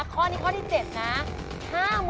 ข้อนี้ข้อที่๗นะ